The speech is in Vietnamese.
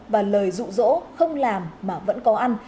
và lời rụ rỗ không làm mà vẫn có ăn